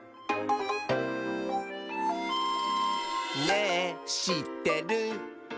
「ねぇしってる？」